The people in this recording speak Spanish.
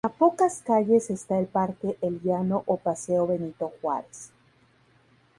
A pocas calles esta el parque El Llano o paseo Benito Juárez.